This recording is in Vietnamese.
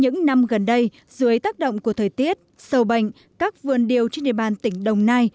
những năm gần đây dưới tác động của thời tiết sâu bệnh các vườn điều trên địa bàn tỉnh đồng nai